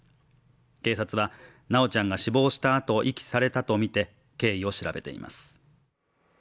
警察は修ちゃんが死亡したあと遺棄されたとみて、経緯を調べています。